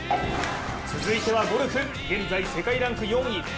続いてはゴルフ現在、世界ランク４位。